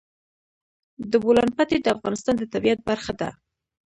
د بولان پټي د افغانستان د طبیعت برخه ده.